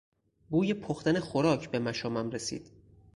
بوی پختن خوراک به مشامم رسید.